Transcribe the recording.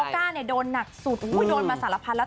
ก้าเนี่ยโดนหนักสุดโดนมาสารพันธุแล้ว